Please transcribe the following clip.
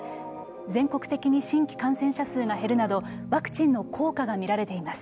全国的に新規感染者数が減るなどワクチンの効果が見られています。